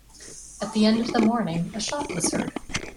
At the end of the morning, a shot was heard.